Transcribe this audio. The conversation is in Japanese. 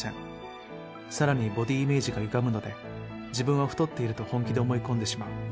さらにボディーイメージがゆがむので自分は太っていると本気で思い込んでしまう。